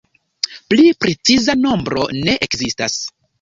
Pli preciza nombro ne ekzistas.